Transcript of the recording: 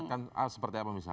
mengingatkan seperti apa misalnya